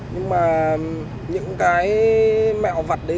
nhưng mà những cái mẹo vặt đấy